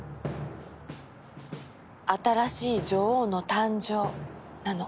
新しい女王の誕生なの。